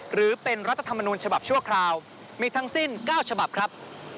หรือเป็นรัฐธรรมนูญฉบับชั่วคราวมีทั้งสิ้น๙ฉบับครับ